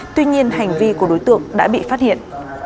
tuy nhiên hành vi của đối tượng đã bị phát hiện